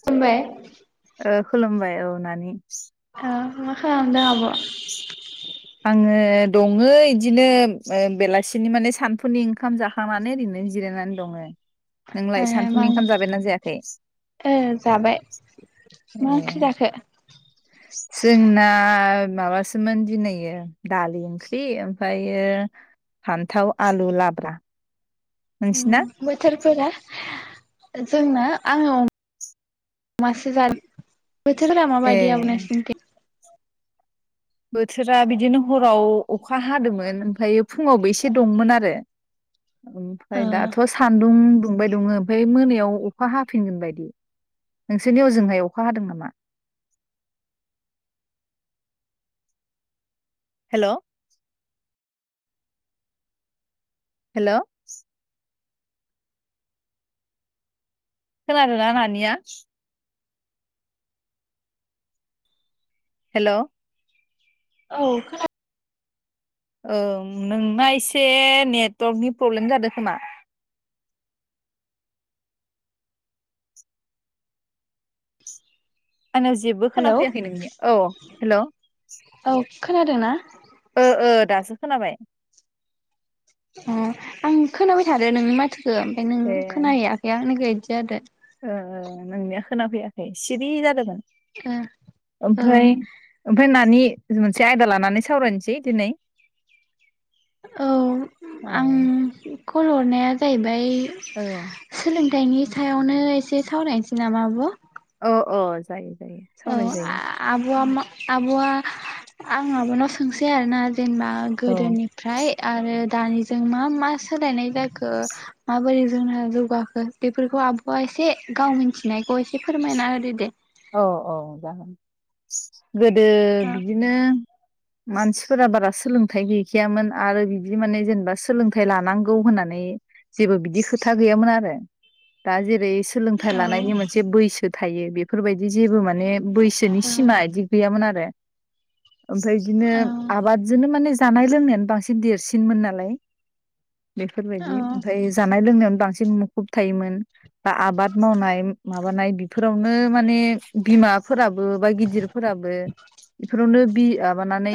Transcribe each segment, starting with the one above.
खुलुमबाय ओ खुलुमबाय औ नानि ओं मा खालामदों आब' आङो दङो इदिनो बेलासिनि माने सानफुनि ओंखाम जाखांनानै ओरैनो जिरायनानै दङो नोंलाय सानफुनि ओंखाम जाबायना जायाखै ए जाबाय ए मा ओंख्रि जाखो जोंना माबासोमोन दिनैयो दालि ओंख्रि ओमफ्रायो फान्थाव आलु लाब्रा नोंसिना बोथोरफोरा जोंना आंल' दासो जादों बोथोरफोरा ए माबायदि आब' नोंसिनिथिं बोथोरा बिदिनो हराव अखा हादोमोन ओमफायो फुङावबो एसे दंमोन आरो ओ ओमफ्राय दाथ' सान्दुं दुं बाय दङ ओमफ्राय मोनायाव अखा हाफिनगोन बायदि नोंसोरनि हजोंहाय अखा हादों नामा हेलौ हेलौ खोनादों ना नानिया? हेलौ औ खोना औं नोंना एसे नेटवर्कनि प्रब्लेम जादों खोमा। आंनाव जेबो खोना हेलौ फैयाखै नोंनिया औ हेलौ औ खोनादोंना ओ ओ। दासो खोनाबाय। अ आं खोनाबाय थादो नोंनि माथो। ओ ओमफ्राय नों ए खोनाहैयाखै आंनिखो इदि जादो ओ नोंनिया खोनाफैयाखै सिरि जादोंमोन। ओ ओमफ्राय औ ओमफ्राय नानि मोनसे आयदा लानानै सावरायनोसै दिनै। औ औ आं कल हरनाया जाहैबाय औ सोलों फिथाइनि सायावनो एसे सावरायनोसै नामा आब? अ अ जायो। जायो औ सावराय जायो आब आ मा आबआ आं आब' नाव सोंसै आरो ना जेनेबा औ गोदोनिफ्राय आरो दानिजों मा मा सोलायनाय जागोन? खो माबोरै जोंना जौगाखो बेफोरखौ आबआ एसे गाव मिन्थिनायखौ एसे फोरमायना होदो दे। औ औ जागोन। गोदो औ बिदिनो मानसिफोरा बारा सोलोंथाइ गैखायामोन आरो बिदि माने जेनेबा सोलोंथाइ लानांगौ होननानै जेबो बिदि खोथा गैयामोन आरो दा जेरै सोलोंथाइ औ लानायनि मोनसे बैसो थायो बे बेफोरबायदि जेबो माने माने बैसोनि औ सिमा इदि गैयामोन आरो ओमफ्राय औ इदिनो आबादजोंनो माने जानाय लोंनायानो बांसिन देरसिनमोन नालाय। औ बेफोरबायदि ओमफाय जानाय लोंनायावनो बांसिन मुखुब थायोमोन बा आबाद मावनाय माबानाय बेफोरावनो ओ माने बिमा फोराबो बा‌ गिदिरफोराबो इफोरावनो बि ओ माबानानै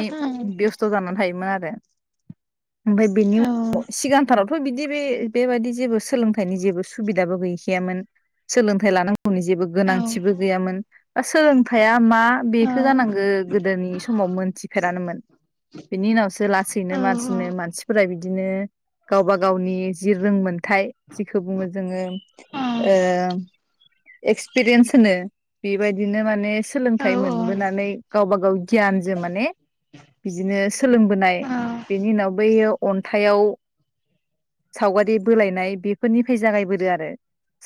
बेस्थ' जानानै थायोमोन आरो [unintelligible] ओमफाय बिनि औ [inaudible] सिगांथारावथ' बिदि बे बेबादि जेबो सोलोंथाइनि जेबो सुबि दाबो गैखायामोन सोलोंथाइ लानां सिबो गैयामोन बा सोलोंथाइआ मा बेखो जानांगो गोदोनि समाव मोनथिफेरानोमोन बिनि उनावसो लासैनो मानसिनो मानसिफोरा बिदिनो गावबा गावनि जि रोंमोनथाय जिखौ बुङो जोङो औ ओ एक्सपिरियेस होनो बेबायदिनो माने सोलोंथाइ मोनबोनानै गावबा गाव गियानजो माने बिदिनो सोलोंबोनाय बेनि उनाव बैयो अन्थाइआव सावगारि बोलायनाय बेफोरनिफ्राय जागायबोदो आरो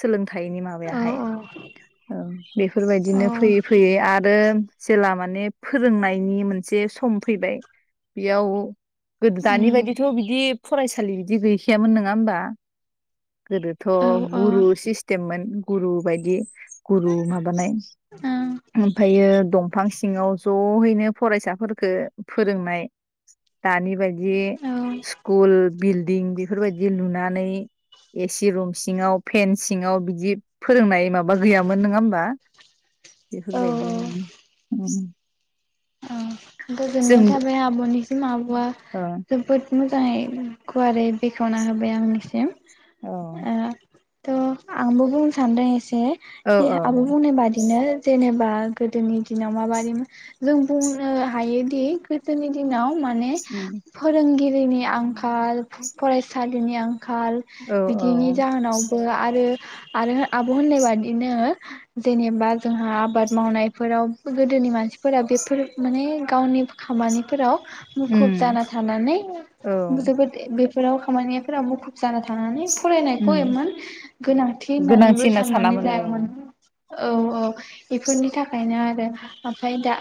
सोलोंथाइ खायनि माबायाहाय औ बेफोरबायदिनो फैयै फैयै आरो जेला माने फोरोंनायनि मोनसे सम फैबाय बेयाव गोद दानि बायदिथ' बिदि फरायसालि बिदि गैखायामोन नङा होमबा गोदोथ' गुरु सिस मोन गुरु बायदि गुरु माबानाय ओमफ्रायो दं बिफां सिङाव जयैनो फरायसाफोरखो फोरोंनाय दानि बायदि जि औ स्कुल बिल्डिं बेफ फोरबायदि लुनानै ए सि रुम सिङाव फेन सिङाव बिदि फोरोंनाय माबा गैयामोन नोङा होमबा औ बेफोरबायदिनो उम औ गोजोननाय थाबाय आब'निसिम आब आ‌ जोबोद मोजाङै गुवारै बेखेवना होबाय आंनिसिम ओ त आंबो बुंनो सानदों एसे औ बे दे औ आब' बुंनाय बादिनो जेनेबा गोदोनि दिनाव माबदि मोन जों बुंनो हायोदि गोदोनि दिनाव माने फोरोंगिरि दैनि आंखाल फरायसालिनि आंखा आंखाल औ बिदिनि औ जाहोनावबो आरो आरो आब' होननाय बादिनो जेनेबा जोंहा आबाद मावनायफोराव गोदोनि मानसिफोरा बेफोर माने गावनि खामानिफोराव मुखुब उम जाना थानानै औ जोबोद बे बेफोराव खामानियाफोरा मुखब जाना थानानै फरायनायखौ उम एमान गोनांथि होननानैबो गोनांथि होनना साननानै सानामोन औ लायामोन औ औ बेफोरनि थाखायनो आरो ओमफ्राय दा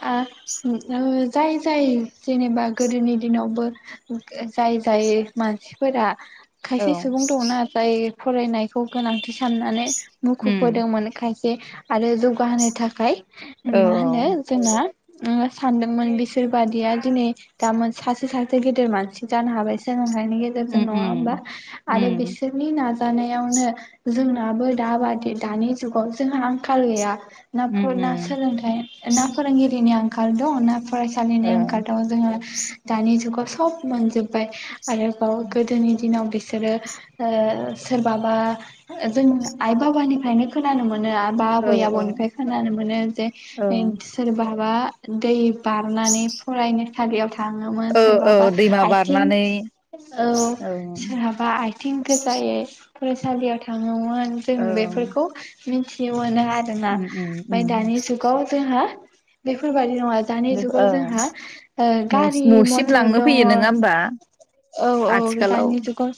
[unintelligible] जाय जाय जेनेबा गोदोनि दिनावबो जाय जाय मानसिफोरा औ खायसे सुबुं दंना जाय फरायनायखौ गोनांथि साननानै मुखुब उम होदोंमोन खायसे बे आरो जौगाहोनो थाखाय औ मा होनो जोंना ओ सानदोंमोन बिसोर बादिया दिनै गामोन सासे सासे गेदेर मानसि जानो हाबाय सोलोंथाइनि नि गेजेरजों उम नङा होमबा उम आरो उम बिसोरनि ना जानायावनो जोंनाबो दाबादि दानि जुगाव जोंहा आंखाल गैया ना फ उम ना उम सोलोंथाइ ना फोरोंगिरिनि आं [unintelligible] औ फरायसालिनि आंखालाव दं जोङो दानि जुगाव सब मोनजोब्बाय आरोबाव गोदोनि दिनाव बेसे बिसोरो ओ सोरबाबा जों आइ बाबानिफ्रायनो खोनानो मोन आबा औ आबै आबौनिफ्राय खोनानो मोनो जे औ सोरबा बा दै बारनानै फरायनो हाबायाव था थाङोमोन औ सोरबाबा औ दैमा आथिं बारनानै औ औ सोरहाबा आथिं गोजायै फरायसालियाव थाङोमोन जों औ उम बेफोरखौ मिथिनो मोनो आरोना उम ओमफाय उम दानि जुगाव जोंहा बे होबाय दङ दानि बे जुगाव ओ जोंहा ओ न' गारि न'सिम मथर लांनो दङ फैयो नङा होमबा औ औ आथिखालाव दानि जुगाव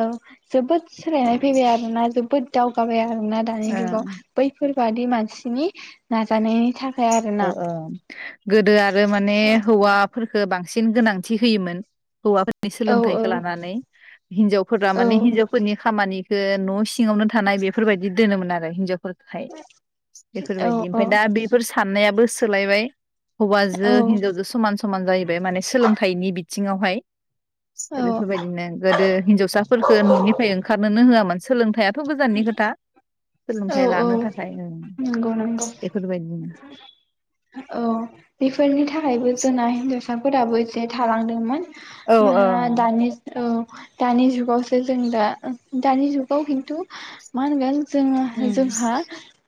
औ जोबोद सोलायनाय फैबाय आरो ना जोबोद दावगाबाय आरो दानि ओं जुगाव बैफोर बादि मानसिनि नाजानायनि थाखाय ओमफाय आरो ना ओ ओ गोदो आरो माने हौवा फोरखो बांसिन गोनांथि होयोमोन हौवा औ सोलोंथाइखौ लानानै हिनजावफोरा औ माने हिनजावफोरनि खामानि ओ न' सिङावनो थानाय बेफोरबायदि दोनोमोन आरो हिनजाव फोरखोहाय औ बेफोरबायदि ओमफाय दा औ बेफोर नायाबो सोलायबाय हौवाजों हिनजावजों समान समान जाहैबाय माने सोलोंथाइनि बि थिङावहाय औ बेफोरबायदिनो गोदो हिनजावसाफोरफोरखौ न'निफ्राय ओंखारनोनो होआमोन सोलोंथाइया थ' गोजाननि खोथा औ सोलोंथाइ लानो औ थाखाय नंगौ नंगौ बेफोरबायदिनो औ बेफोरनि थाखायबो जोंना होनजावसा साफोराबो एसे थालांदोंमोन औ औ माहा दानि ओ दानि जुगावसो जों दा दानि जुगाव खिन्थु मा होनगोन जों उम जोंहा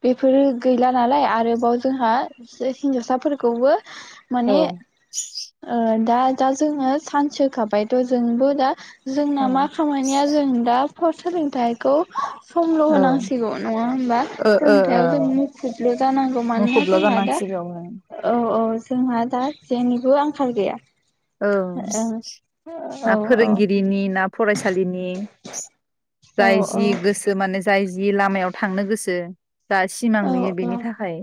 बेफोरो गैला नालाय आरोबाव जोंहा हिनजावसाफोरखौबो औ माने ओ दा दा जोङो सान्स होखाबायथ' जोंबो दा औ जोंना मा खामानिया जों दा फार्स सोलोंथायखौ समल' ओ होनांसिगौ नङा होमबा ओ ओ सोलोंथायाव जों मुखुबल' जानांगौ मानोना मुखुबल' जोंहा दा जानांसिगौ ओं औ औ जोंहा दा जेनिबो आंखाल गैया औ ओं औ ना औ फोरोंगिरिनि ना फरायसालिनि औ जाय जि गोसो माने जाय जि लामायाव थांनो गोसो दा सिमां औ नुयो औ बेनि थाखाय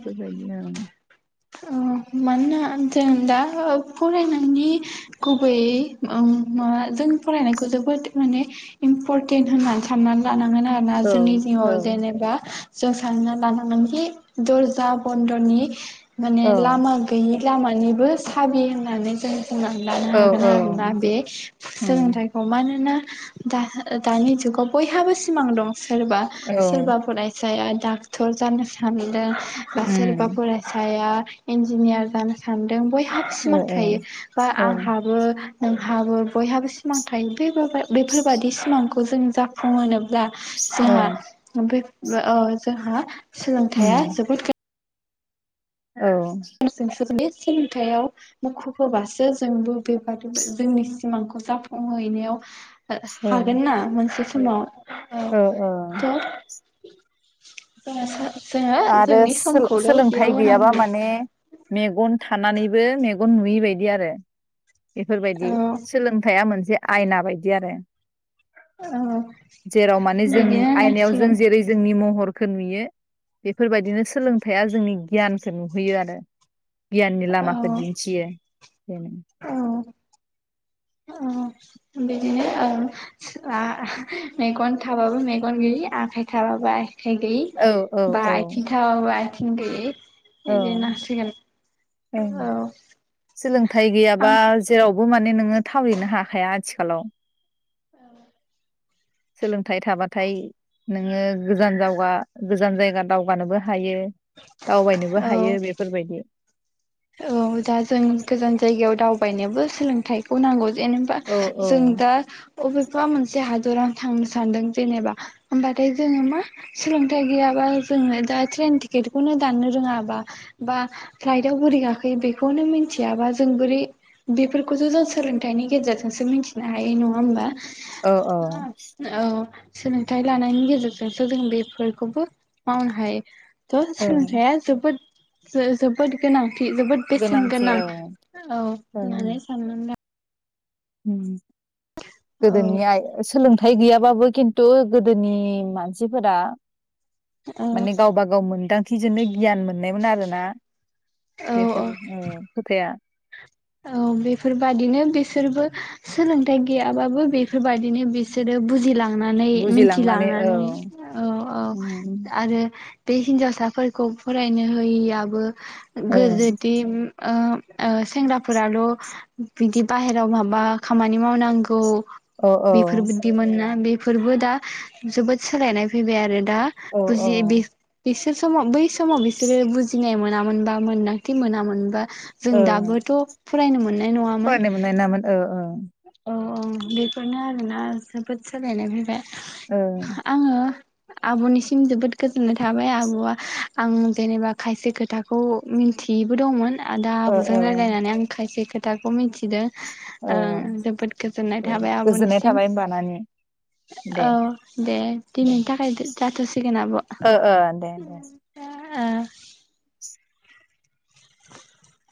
बेबायदिनो ओं ओ मानोना जों दा फरायनायनि गुबै मा जों फरायनायखौ जोबोद माने इम्परटेन्ट होननानै साननानै लानांगोन आरोना जोंनि ओं औ जिउआव जेनेबा जों सानना लानांगोनखि दर्जा बन्द'नि औ माने लामा गैयि लामानिबो हाबि होननानै जों सोंनानै लानो औ हागोन आरोना औ बे उम सोलोंथाइखौ मानोना दा दानि जुगाव बयहाबो सिमां दं सोरबा औ सोरबा फरायसा डाक्टर जानो थांदों बा सोरबा उम फरायसाया इन्जियार जानो सानदों बयहाब ओ सिमान ओ थायो बा औ आंहाबो हाबो बयहाबो सिमां थायो बेफोर बायदि सिमां खौ जों जाफुंहोनोबा दा जोंहा ओमफाय ओ जोंहा सोलोंथाइया उम जोबोद औ सोलोंथायाव मुखुब होबासो जोंबो बेबादिबो जोंनि सिमांखौ जाफुंहैनायाव औ हागोनना मोनसे समाव औ औ थ' [inaudible] आरो जोंनि समखौल' सो-सोलोंथाइ बेयाव गैयाबा होनांगोन माने मेगन थानानैबो मेगन नुयैबायदि आरो बेफोरबायदि औ सोलोंथाइया मोनसे जे आयना बायदि आरो औ जेराव माने जों बिदिनो आयनायाव जों होनांसिगोन जेरै जोंनि महर खो नुयो बेफोरबायदिनो सोलोंथाइया जोंनि गियानखौ नुहैयो आरो गियाननि औ लामाखौ दिन्थियो बेनो ओ बिदिनो ओ आ मेगन थाबाबो मेगन गैयि आखाइ थाबाबो आखाइ गैयि औ औ बा औ आथिं थाबाबो आ [unintelligible] औ ओं औ सोलोंथाइ गैयाबा आं जेरावबो मान माने नोङो थावरिनो हाखाया आथिखालाव औ सोलों सोलोंथाय थाबाथाय नोङो गोजान जावगा गोजान जायगा दावगानोबो हायो दावबायनोबो औ हायो बेफोरबायदि औ दा जों गोजान जायगायाव दावबायनोबो सोलोंथाइखौ नांगौ जेनेबा औ औ जों दा बबेबा मोनसे हादराव थांनो सानदों जेनेबा होमबाथाय जोङो मा सोलोंथाइ गैयाबा जोङो दा ट्रेन टिकेटखौनो दाननो रोङाबा बा फ्लाइटआव बोरै गाखोयो बेखौनो मिथियाबा जों बोरै बेफोरखौसो जों सोलोंथाइनि गेजेरजोंसो मिथिनो हायो नङा होमबा औ औ औ सोलोंथाइ लानायनि गेजेरजोंसो जों बेफोरखौबो मावनो हायो थ' औ सोलोंथाइया जोबोद जो-जोबोद [unintelligible] जोबोद बेसेन गोनां औ होननानै सान हुम औ गोदोनियाहाय सोलोंथाइ सोलोंथाय गैयाबाबो खिन्थु गोदोनि मानसिफोरा औ माने गावबा गाव मोनदां [unintelligible] गियान मोननायमोन आरोना औ औ बेफोरो ओ खोथाया औ बेफोरबादिनो बिसोरबो सोलोंथाइ गैयाबाबो बेफोरबायदिनो बिसोरो बुजिलाङ थांनानै बुजिलांनानै औ मिथिलांनानै औ औ आरो बे हिनजावसाफोरखौ फरायनो होयैआबो औ गोजोदि ओ ओ सेंग्रा फोराल बिदि बाहेराव माबा खामानि मावनांगौ औ बेफोर बिबदिमोन ना बे बेफोरबो दा जोबोद सोलायनाय फैबाय आरो दा औ औ बुजियो बि बिसोर समाव बैस बै समाव बिसोर बुजिनाय मो ना‌ मोनबा मोनदांथि मोनामोनबा जों दाबोथ फरायनो मोन पो मोननाय नामोन ओ ओ औ औ बेखौनो आरोना जोबोद सोलायनाय फैबाय आङो आब'निसिम जोबोद गोजो न थाबाय आब'या आं जेनेबा खायसे खोथाखौ मिथियैबो दंमोन आदा ओ आब'जों ओ रायज्लायनानै आं खायसे खोथाखौ मिथिदो अ जोबोद गोजोननाय थाबाय आब'निसिम होमबा नानि दे औ दे दे दिनैनि थाखाय गो जाथसै ओ ओ दे [inaudible]